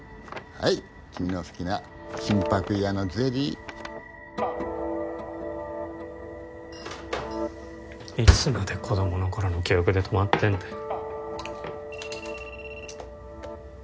はい君の好きな金箔屋のゼリーいつまで子供の頃の記憶で止まってんだよ